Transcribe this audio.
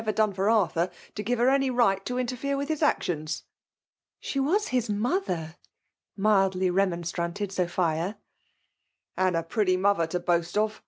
177 evcir done for Arthur to give her any right to interfere with his actions ?^' '^!9ie was' his mother,*' mildly remonstrated ISopMa. "And a pretty mother to boast of!